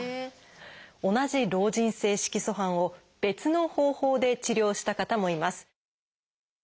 同じ老人性色素斑を別の方法で治療した方もいます。